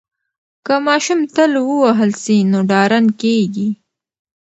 که ماشوم تل ووهل سي نو ډارن کیږي.